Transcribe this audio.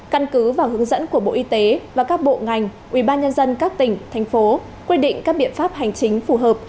căn cứ và hướng dẫn của bộ y tế và các bộ ngành ubnd các tỉnh thành phố quy định các biện pháp hành chính phù hợp